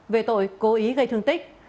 về tội cố ý gây thương tích